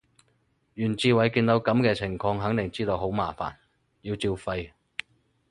袁志偉見到噉嘅情況肯定知道好麻煩，要照肺